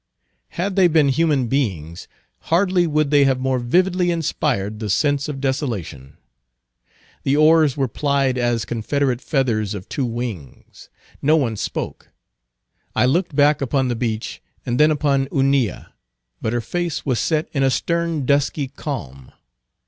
Had they been human beings, hardly would they have more vividly inspired the sense of desolation. The oars were plied as confederate feathers of two wings. No one spoke. I looked back upon the beach, and then upon Hunilla, but her face was set in a stern dusky calm.